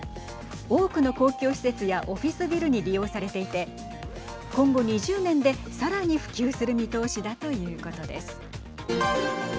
多くの公共施設やオフィスビルに利用されていて今後２０年で、さらに普及する見通しだということです。